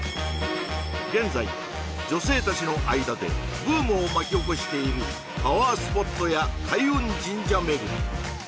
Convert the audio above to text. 現在女性達の間でブームを巻き起こしているパワースポットや開運神社巡り